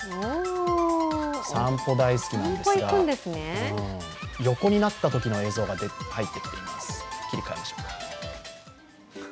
散歩大好きなんですが、横になったときの映像が入ってきています。